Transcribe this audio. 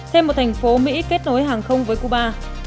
xem một thành phố mỹ kết nối hàng không với cuba